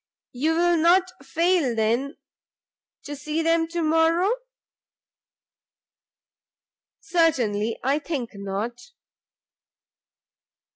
"You will not fail, then, to see them to morrow?" "Certainly I think not."